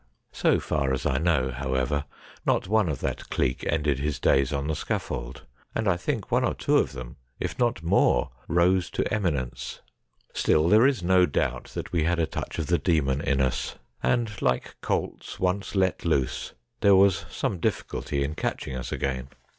So far as I know, however, not one of that clique ended his days on the scaffold, and I think one or two of them, if not more, rose to eminence. Still, there is no doubt that we had a touch of the demon in us, and like colts once let loose there was some difficulty in catching us again.